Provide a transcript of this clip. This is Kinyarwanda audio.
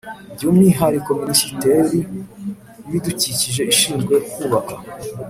Byu umwihariko Minisiteri y Ibidukikije ishinzwe kubaka